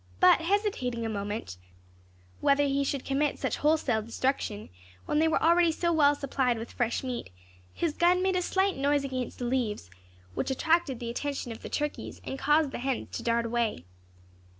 But hesitating a moment whether he should commit such wholesale destruction, when they were already so well supplied with fresh meat, his gun made a slight noise against the leaves, which attracted the attention of the turkeys, and caused the hens to dart away.